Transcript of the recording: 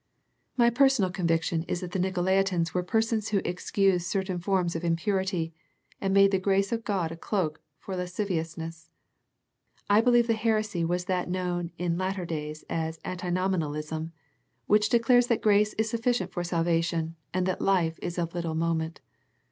My personal conviction is that the Nicolaitans were persons who excused certain forms of impurity, and made the grace of God a cloak for lascivious ness. I believe the heresy was that known in latter days as Antinomianism, which declares that grace is sufficient for salvation, and that life is of little moment.